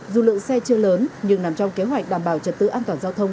dù lượng xe chưa lớn nhưng nằm trong kế hoạch đảm bảo trật tự an toàn giao thông